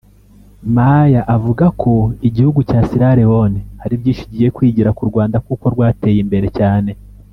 Maya avuga ko igihugu cya Sierra Leone hari byinshi kigiye kwigira ku Rwanda kuko rwateye imbere cyane